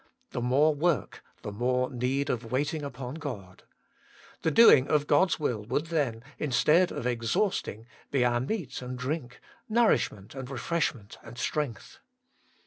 The more work, the more need of waiting upon God; the doing of God's will would then, instead of exhausting, be our meat and drink, nourishment and refreshment and strength.